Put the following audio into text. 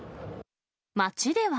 街では。